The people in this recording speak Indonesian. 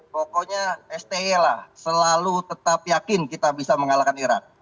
pokoknya sti lah selalu tetap yakin kita bisa mengalahkan iran